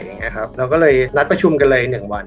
เราก็เลยนัดประชุมกันเลยหนึ่งวัน